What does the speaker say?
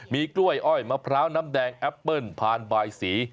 มีกล้วยอ้อยมะพร้าวน้ำแดงแอปเปิ้ลพานบายสี